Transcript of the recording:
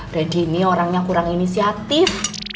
reddy ini orangnya kurang inisiatif